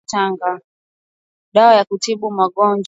na kutengeneza dawa za kutibu magonjwa ambayo hajaeleza